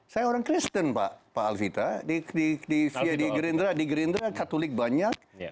saya orang kristen pak pak alvita di click di click di gerindra di gerindra katolik banyak ya